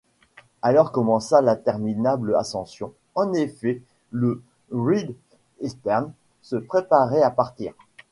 Alors commença l’interminable ascension En effet, le Great-Eastern se préparait à partir.